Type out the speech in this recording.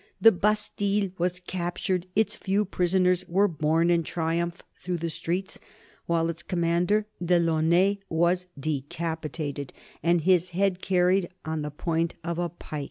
The Bastille was captured; its few prisoners were borne in triumph through the streets, while its commander, De Launay, was decapitated and his head carried about on the point of a pike.